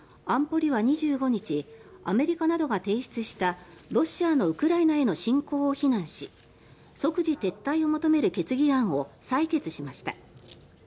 安保理は２５日アメリカなどが提出したロシアのウクライナへの侵攻を非難し即時撤退を求める決議案を採決しました。